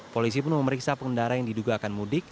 polisi pun memeriksa pengendara yang diduga akan mudik